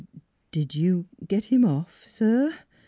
" "Did you get him off, sir?"